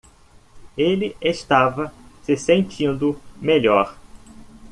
Ele estava se sentindo melhor